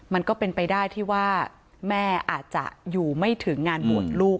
มันก็เป็นไปได้ที่ว่าแม่อาจจะอยู่ไม่ถึงงานบวชลูก